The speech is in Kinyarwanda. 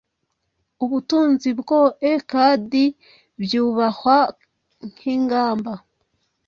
Ubutunzi bwoe kadi byubahwa nkingamba,